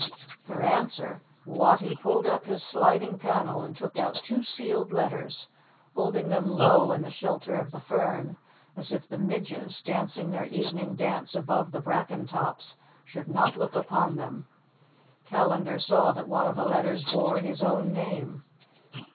For answer Wattie pulled up his sliding panel and took out two sealed letters, holding them low in the shelter of the fern, as if the midges, dancing their evening dance above the bracken tops, should not look upon them. Callandar saw that one of the letters bore his own name.